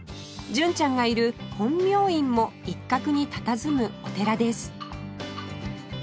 純ちゃんがいる本妙院も一角にたたずむお寺です